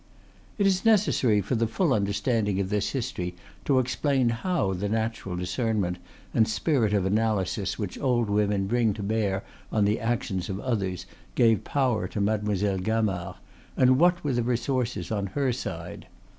It is necessary for the full understanding of this history to explain how the natural discernment and spirit of analysis which old women bring to bear on the actions of others gave power to Mademoiselle Gamard, and what were the resources on her side.